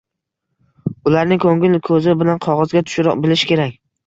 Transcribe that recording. Ularni ko‘ngil ko‘zi bilan qog‘ozga tushira bilish kerak.